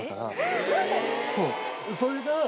そう。